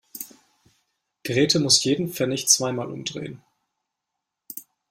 Grete muss jeden Pfennig zweimal umdrehen.